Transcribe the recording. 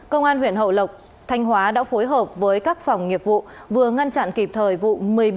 công an huyện hậu lộc thanh hóa đã phối hợp với các phòng nghiệp vụ vừa ngăn chặn kịp thời vụ một mươi bảy công dân trên địa bàn huyện